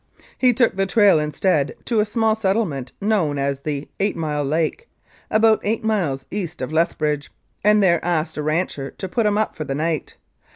He took the trail instead to a small settlement known as the "Eight Mile Lake," about eight miles east of Lethbridge, and there asked a rancher to put him up for the night.